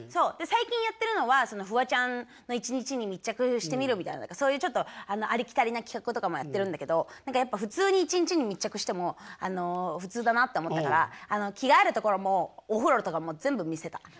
最近やってるのは「フワちゃんの１日に密着してみる」みたいなそういうちょっとありきたりな企画とかもやってるんだけどやっぱ普通に１日に密着しても普通だなって思ったから着替えるところもお風呂とかも全部見せた。